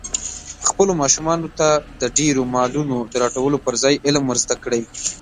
خپلو ماشومانو ته د ډېرو مالونو د راټولولو پر ځای علم ور زده کړئ.